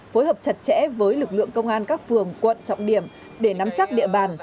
phối hợp chặt chẽ với lực lượng công an các phường quận trọng điểm để nắm chắc địa bàn